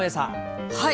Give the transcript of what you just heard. はい。